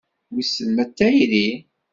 Wissen ma d tayri?